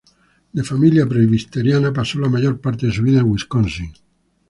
De familia presbiteriana, pasó la mayor parte de su vida en Wisconsin.